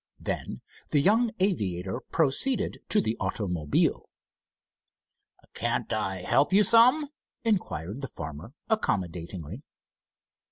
Then the young aviator proceeded to the automobile. "Can't I help you some?" inquired the farmer, accommodatingly.